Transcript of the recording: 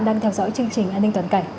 đang theo dõi chương trình an ninh toàn cảnh